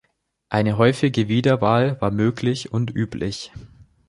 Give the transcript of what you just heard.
Eine häufige Wiederwahl war möglich und üblich.